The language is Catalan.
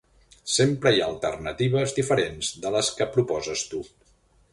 Sempre hi ha alternatives diferents de les que proposes tu.